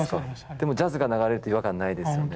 でもジャズが流れると違和感ないですよね。